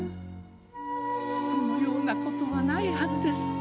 「そのような事はないはずです。